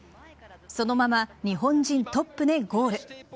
そのまま日本人トップでゴール。